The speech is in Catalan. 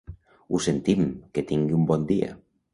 Ho sentim, que tingui un bon dia.